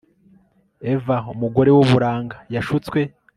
Eva umugore wuburanga yashutswe